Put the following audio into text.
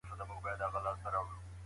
حقیقي عاید پخوا اندازه سو.